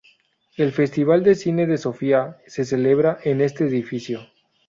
El Festival de Cine de Sofía se celebra en este edificio.